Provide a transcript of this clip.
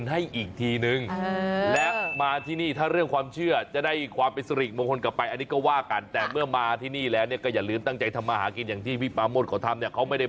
แหม่งานอย่างเดียวมันไม่ได้